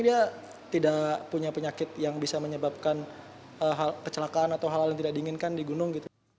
dia tidak punya penyakit yang bisa menyebabkan kecelakaan atau hal hal yang tidak diinginkan di gunung